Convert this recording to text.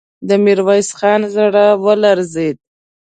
د ميرويس خان زړه ولړزېد.